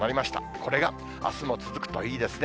これがあすも続くといいですね。